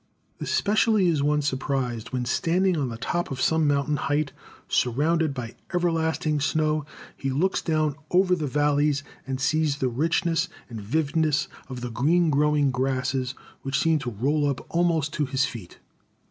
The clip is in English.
Especially is one surprised when, standing on the top of some mountain height surrounded by everlasting snow, he looks down over the valleys and sees the richness and vividness of the green growing grasses which seem to roll up almost to his feet.